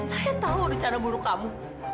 saya tahu rencana bunuh kamu